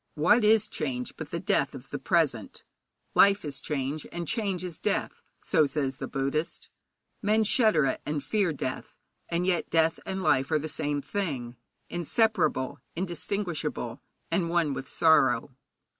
What is change but the death of the present? Life is change, and change is death, so says the Buddhist. Men shudder at and fear death, and yet death and life are the same thing inseparable, indistinguishable, and one with sorrow.